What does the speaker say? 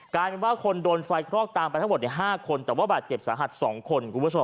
กลายเป็นว่าคนโดนไฟคลอกตามไปทั้งหมด๕คนแต่ว่าบาดเจ็บสาหัส๒คนคุณผู้ชม